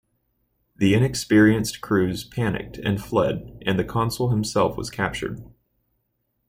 The inexperienced crews panicked and fled and the consul himself was captured.